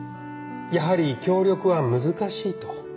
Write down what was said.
やはり協力は難しいと。